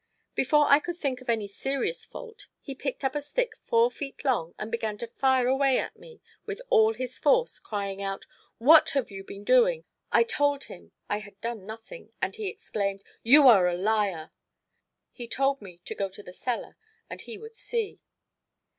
Before I could think of any serious fault he picked up a stick four feet long and began to fire away at me with all his force, crying out, "What have you been doing?" I told him I had done nothing, and he exclaimed. "You are a liar!" He told me to go to the cellar and he would see.